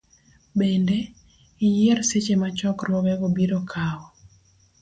Bende, iyier seche ma chokruogego biro kawo .